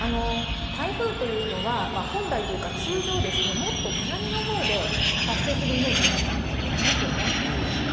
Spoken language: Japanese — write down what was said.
台風というのは本来というか、通常もっと南のほうで発生するイメージ皆さん、ありますよね。